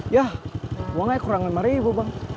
ya uangnya kurang dari rp satu bang